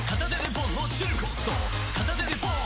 片手でポン！